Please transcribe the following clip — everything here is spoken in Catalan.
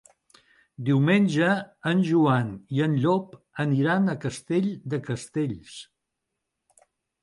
Diumenge en Joan i en Llop aniran a Castell de Castells.